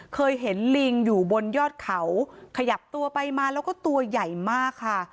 เคยเห็นลิงอยู่บนยอดเขาขยับตัวไปมาแล้วก็ตัวใหญ่มากค่ะ